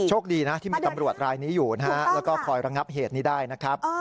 คดีนะที่มีตำรวจรายนี้อยู่นะฮะแล้วก็คอยระงับเหตุนี้ได้นะครับ